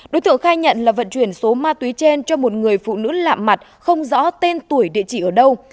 đối tượng khai nhận là vận chuyển số ma túy trên cho một người phụ nữ lạ mặt không rõ tên tuổi địa chỉ ở đâu